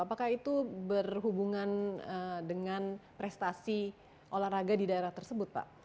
apakah itu berhubungan dengan prestasi olahraga di daerah tersebut pak